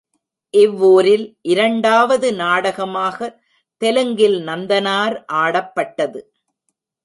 இவ்வூரில் இரண்டாவது நாடகமாக தெலுங்கில் நந்தனார் ஆடப்பட்டது.